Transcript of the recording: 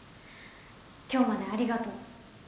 今日までありがとう。